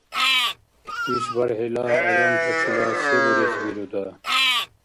ИшбархӀила адамтачила се бурес вируда?